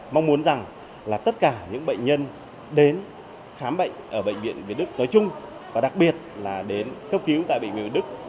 mong muốn rằng là tất cả những bệnh nhân đến khám bệnh ở bệnh viện việt đức nói chung và đặc biệt là đến cấp cứu tại bệnh viện việt đức